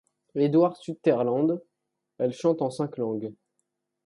Edward Sutherland, elle chante en cinq langues.